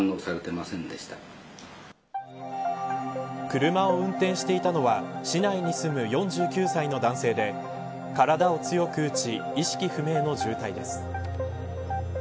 車を運転していたのは市内に住む４９歳の男性で体を強く打ち意識不明の重体です。